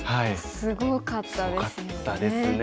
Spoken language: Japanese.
すごかったですね。